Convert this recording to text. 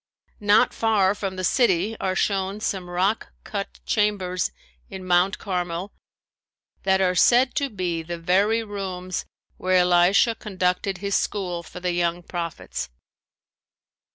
Not far from the city are shown some rock cut chambers in Mount Carmel that are said to be the very rooms where Elisha conducted his school for the young prophets.